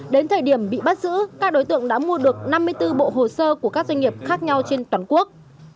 đến thời điểm bị bắt giữ các đối tượng đã mua được năm mươi bốn bộ hồ sơ của các doanh nghiệp khác nhau trên toàn quốc